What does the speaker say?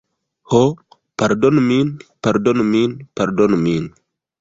Ho, pardonu min. Pardonu min. Pardonu min.